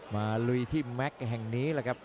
มาลุยที่แม็กก์แห่งนี้